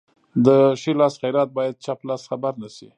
د ښي لاس خیرات باید چپ لاس خبر نشي.